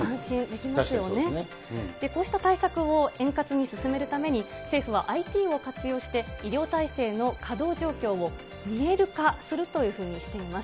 こうした対策を円滑に進めるために、政府はＩＴを活用して、医療体制の稼働状況を見える化するというふうにしています。